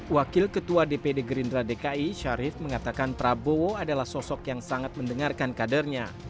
wakil ketua dpd gerindra dki syarif mengatakan prabowo adalah sosok yang sangat mendengarkan kadernya